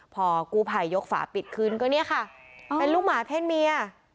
พอกู้ภัยยกฝาปิดขึ้นก็เนี่ยค่ะเป็นลูกหมาเพศเมีย